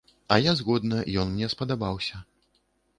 А я згодна, ён мне спадабаўся.